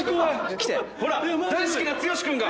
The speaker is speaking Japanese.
大好きな剛君が！